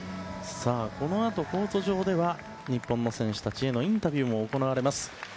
このあとコート上では日本の選手たちへのインタビューも行われます。